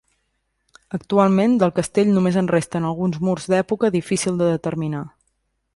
Actualment del castell només en resten alguns murs d'època difícil de determinar.